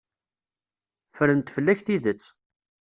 Ffrent fell-ak tidet.